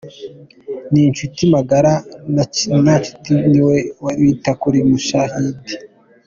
Ni Inshuti magara Ntakirutinka ni we wita kuri Mushayidi